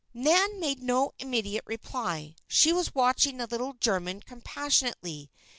Nan made no immediate reply. She was watching the little German compassionately.